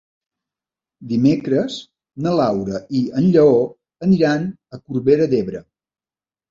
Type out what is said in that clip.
Dimecres na Laura i en Lleó aniran a Corbera d'Ebre.